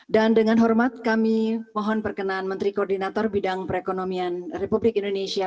dan dengan hormat kami mohon perkenaan menteri koordinator bidang perekonomian republik indonesia